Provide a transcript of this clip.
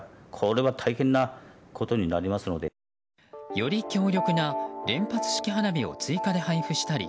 より強力な連発式花火を追加で配布したり